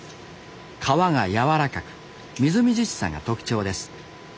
皮が柔らかくみずみずしさが特徴です。